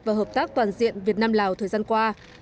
và hợp tác toàn diện việt nam lào thời gian qua